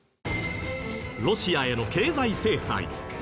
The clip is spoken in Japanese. ロシアへの経済制裁。